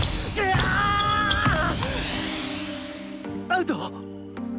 アウト！